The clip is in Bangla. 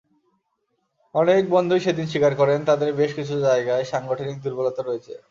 অনেক বন্ধুই সেদিন স্বীকার করেন, তাঁদের বেশ কিছু জায়গায় সাংগঠনিক দুর্বলতা রয়েছে।